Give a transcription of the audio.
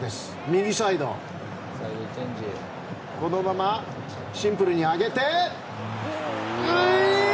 右サイドこのままシンプルに上げて。